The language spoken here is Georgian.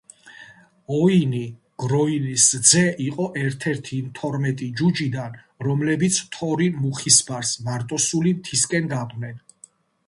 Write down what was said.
ოინი, გროინის ძე იყო ერთ-ერთი იმ თორმეტი ჯუჯიდან, რომლებიც თორინ მუხისფარს მარტოსული მთისკენ გაყვნენ.